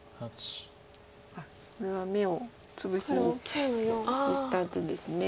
あっこれは眼を潰しにいった手です。